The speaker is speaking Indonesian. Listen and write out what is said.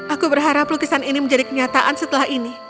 aku berharap lukisan ini menjadi kenyataan setelah ini